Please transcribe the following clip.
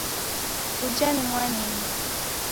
Uja ni mwanidu